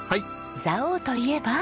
蔵王といえば？